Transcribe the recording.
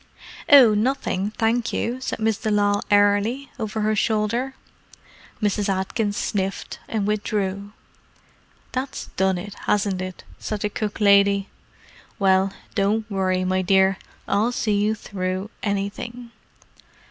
"Oh—nothing, thank you," said Miss de Lisle airily, over her shoulder. Mrs. Atkins sniffed, and withdrew. "That's done it, hasn't it?" said the cook lady. "Well, don't worry, my dear; I'll see you through anything."